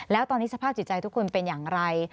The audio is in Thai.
แล้วตอนนี้สภาพจิตใจทุกคนเป็นอย่างไร